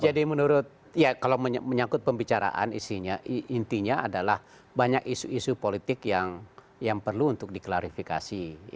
jadi menurut ya kalau menyangkut pembicaraan isinya intinya adalah banyak isu isu politik yang perlu untuk diklarifikasi